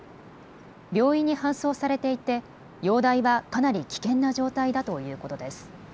病院に搬送されていて容体はかなり危険な状態だということです。